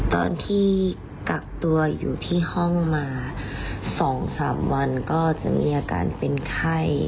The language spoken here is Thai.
ตอนที่กักตัวอยู่ที่ห้องมา๒๓วันก็จะมีอาการเป็นไข้